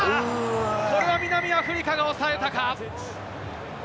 これは南アフリカが抑えたか？